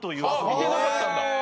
見てなかったんだ。